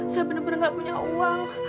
saya bener bener gak punya uang